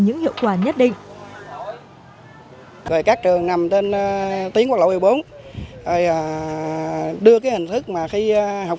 những hiệu quả nhất định về các trường nằm trên tiếng quốc lộ một mươi bốn đưa cái hình thức mà khi học